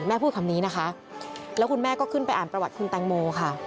พูดคำนี้นะคะแล้วคุณแม่ก็ขึ้นไปอ่านประวัติคุณแตงโมค่ะ